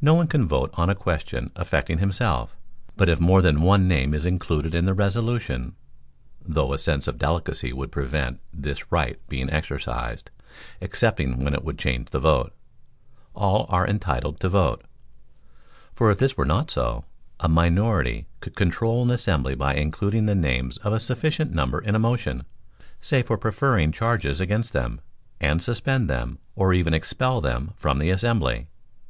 No one can vote on a question affecting himself, but if more than one name is included in the resolution (though a sense of delicacy would prevent this right being exercised, excepting when it would change the vote) all are entitled to vote; for if this were not so, a minority could control an assembly by including the names of a sufficient number in a motion, say for preferring charges against them, and suspend them, or even expel them from the assembly.